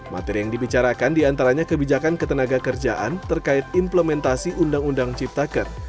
materi yang dibicarakan diantaranya kebijakan ketenaga kerjaan terkait implementasi undang undang ciptaker